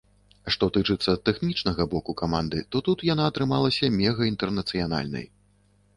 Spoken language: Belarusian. Што тычыцца тэхнічнага боку каманды, то тут яна атрымалася мегаінтэрнацыянальнай.